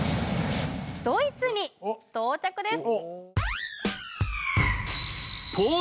ドイツに到着です